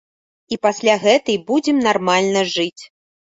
І пасля гэтай будзем нармальна жыць.